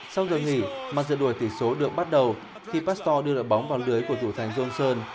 sau giờ nghỉ màn dựa đuổi tỷ số được bắt đầu khi pastor đưa đợi bóng vào lưới của thủ thành johnson